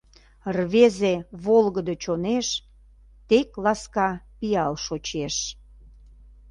Рвезе, волгыдо чонеш Тек ласка пиал шочеш.